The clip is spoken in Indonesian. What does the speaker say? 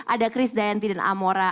ada chris dayanti dan amora